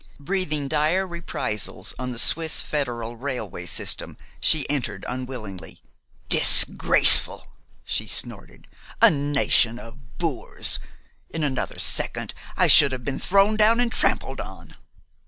Breathing dire reprisals on the Swiss federal railway system, she entered unwillingly. "Disgraceful!" she snorted. "A nation of boors! In another second I should have been thrown down and trampled on."